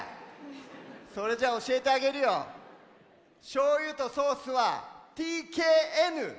しょうゆとソースはＴＫＮ。